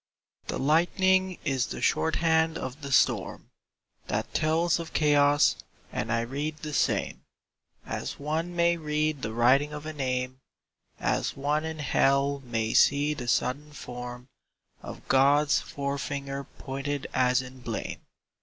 The lightning is the shorthand of the storm That tells of chaos; and I read the same As one may read the writing of a name, As one in Hell may see the sudden form Of God's fore finger pointed as in blame.